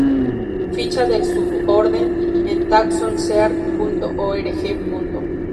Ficha del suborden en TaxonSearch.org.